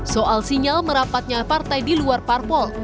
soal sinyal merapatnya partai di luar parpol